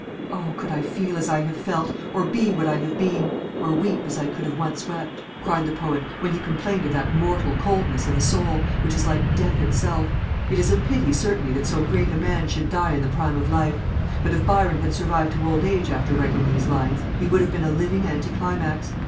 "Oh, could I feel as I have felt; or be what I have been; Or weep as I could once have wept!" cried the poet, when he complained of that "mortal coldness of the soul," which is "like death itself." It is a pity certainly that so great a man should die in the prime of life; but if Byron had survived to old age after writing these lines, he would have been a living anticlimax.